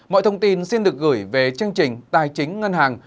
mọi thông tin xin được gửi về chương trình tài chính ngân hàng